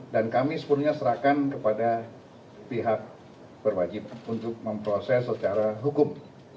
dan kami sepenuhnya serahkan kepada pihak berwajib untuk memproses secara hukum